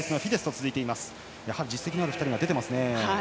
やはり実績のある２人が出ています。